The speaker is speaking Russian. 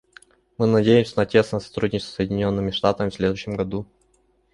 Мы надеемся на тесное сотрудничество с Соединенными Штатами в следующем году.